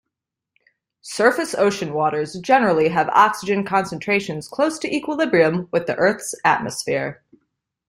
Surface ocean waters generally have oxygen concentrations close to equilibrium with the Earth's atmosphere.